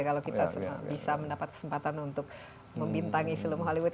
kalau kita bisa mendapat kesempatan untuk membintangi film hollywood